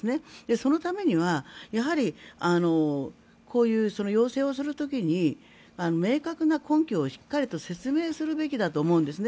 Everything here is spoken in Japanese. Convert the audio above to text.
そのためにはこういう要請をする時に明確な根拠をしっかりと説明するべきだと思うんですね。